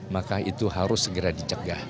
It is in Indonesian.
maka itu harus segera dicegah